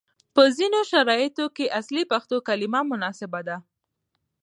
په ځینو شرایطو کې اصلي پښتو کلمه مناسبه ده،